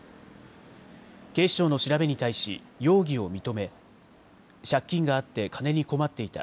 警視庁の調べに対し容疑を認め借金があって金に困っていた。